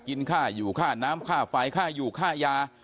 กินค่าอยู่ค่าน้ำค่าไฟค่าอยู่ค่ายา